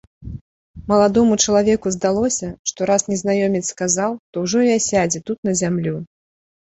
Маладому чалавеку здалося, што раз незнаёмец сказаў, то ўжо і асядзе тут на зямлю.